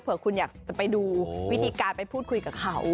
เพื่อคุณอยากจะไปดูวิธีการไปพูดคุยกับเขา